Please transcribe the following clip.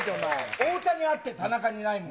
太田にあって田中にないもの。